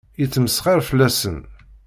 Yettmesxiṛ fell-asen.